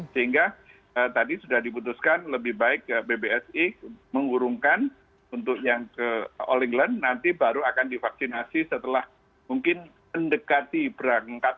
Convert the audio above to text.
sehingga tadi sudah dibutuhkan lebih baik bbsi mengurungkan untuk yang ke all england nanti baru akan divaksinasi setelah mungkin mendekati berangkat ke all england atau setelah pulang dari all england gitu